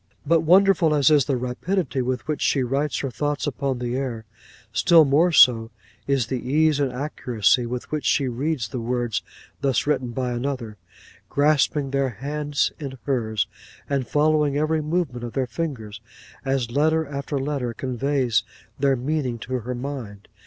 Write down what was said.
'"But wonderful as is the rapidity with which she writes her thoughts upon the air, still more so is the ease and accuracy with which she reads the words thus written by another; grasping their hands in hers, and following every movement of their fingers, as letter after letter conveys their meaning to her mind.